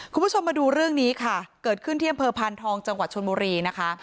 คุณผู้ชมมาดูเรื่องนี้ค่ะเกิดขึ้นที่อำเภอพานทองจังหวัดชนบุรีนะคะ